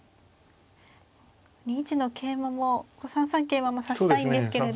２一の桂馬も３三桂馬も指したいんですけれど。